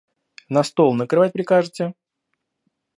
На стол накрывать прикажете?